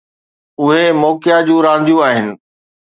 اهي موقعا جون رانديون آهن.